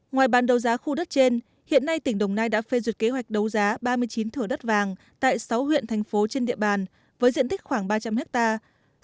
ngoài bàn đấu giá khu đất trên hiện nay tỉnh đồng nai đã phê duyệt kế hoạch đấu giá ba mươi chín thửa đất vàng tại sáu huyện thành phố trên địa bàn với diện tích khoảng ba trăm linh hectare